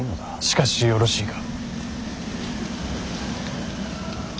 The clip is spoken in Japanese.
しかしよろしいか。